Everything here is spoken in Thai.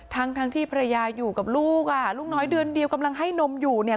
ทั้งทั้งที่ภรรยาอยู่กับลูกอ่ะลูกน้อยเดือนเดียวกำลังให้นมอยู่เนี่ย